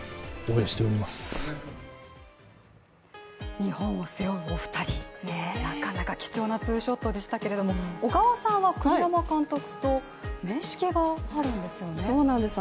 日本を背負うお二人、なかなか貴重なツーショットでしたけれども小川さんは栗山監督と面識があるんですよね？